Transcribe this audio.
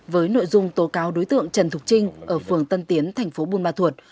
với nội dung tố cáo đối tượng trần thục trinh ở phường tân tiến thành phố buôn ma thuột